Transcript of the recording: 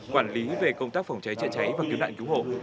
quản lý về công tác phòng cháy chữa cháy và cứu nạn cứu hộ